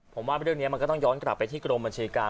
ผมว่าเรื่องนี้มันก็ต้องย้อนกลับไปที่กรมบัญชีการ